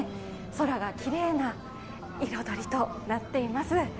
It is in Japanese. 空がきれいな彩りとなっています。